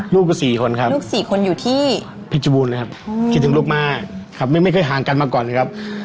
ลูกก็๔คนครับพี่จบูลนะครับคิดถึงลูกมากครับไม่ค่อยห่างกันมาก่อนครับ